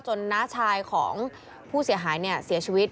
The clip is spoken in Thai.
น้าชายของผู้เสียหายเนี่ยเสียชีวิต